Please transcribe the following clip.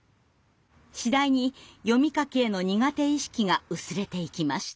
次第に読み書きへの苦手意識が薄れていきました。